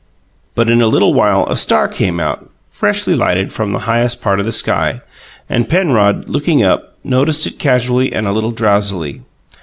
But in a little while a star came out, freshly lighted, from the highest part of the sky, and Penrod, looking up, noticed it casually and a little drowsily.